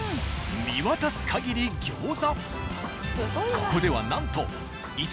見渡す限り餃子。